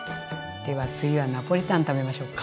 では次はナポリタン食べましょうか。